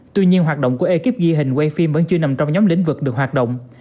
tuy nhiên hoạt động của ekip ghi hình quay phim vẫn chưa nằm trong nhóm lĩnh vực được hoạt động